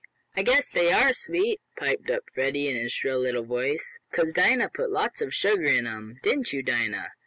"I guess they are sweet!" piped up Freddie in his shrill little voice, "'cause Dinah put lots of sugar in 'em; didn't you, Dinah?"